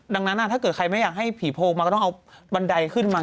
ดังนั้นถ้าเกิดใครไม่อยากให้ผีโพงมาก็ต้องเอาบันไดขึ้นมา